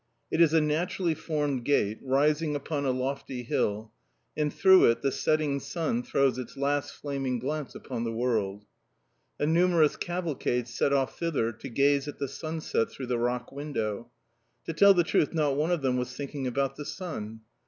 It is a naturally formed gate, rising upon a lofty hill, and through it the setting sun throws its last flaming glance upon the world. A numerous cavalcade set off thither to gaze at the sunset through the rock window. To tell the truth, not one of them was thinking about the sun.